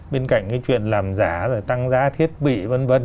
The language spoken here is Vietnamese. bên cạnh cái chuyện làm giá tăng giá thiết bị vân vân